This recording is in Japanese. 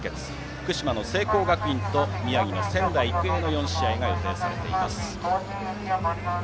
福島の聖光学院と宮城の仙台育英の４試合が予定されています。